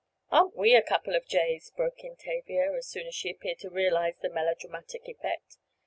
"Aren't we a couple of jays!" broke in Tavia, as soon as she appeared to realize the melo dramatic effect.